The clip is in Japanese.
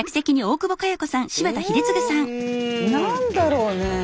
え何だろうね。